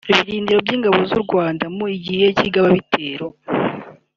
ibirindiro by’Ingabo z’u Rwanda mu gihe cy’igababitero